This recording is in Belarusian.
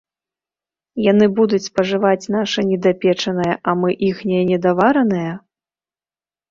Яны будуць спажываць наша недапечанае, а мы іхняе недаваранае?